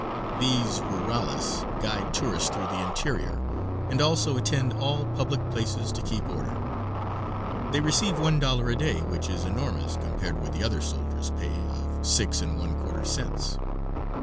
These rurales guide tourists through the interior and also attend all public places to keep order; they receive one dollar a day, which is enormous compared with the other soldiers' pay of six and one quarter cents.